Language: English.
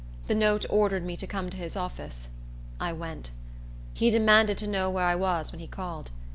The note ordered me to come to his office. I went. He demanded to know where I was when he called.